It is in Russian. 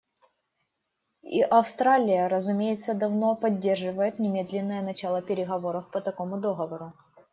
И Австралия, разумеется, давно поддерживает немедленное начало переговоров по такому договору.